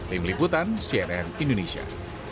lim liputan cnn indonesia